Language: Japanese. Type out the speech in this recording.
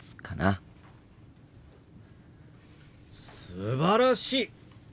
すばらしい！